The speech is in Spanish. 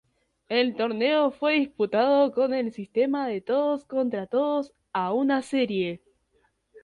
El torneo fue disputado con el sistema de todos contra todos a una serie.